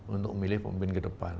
untuk milih pemimpin kedepan